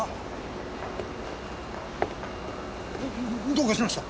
どうかしました？